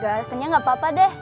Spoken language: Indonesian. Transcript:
gak kenyang gapapa deh